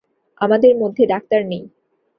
আমাদের মধ্যে ডাক্তার নেই।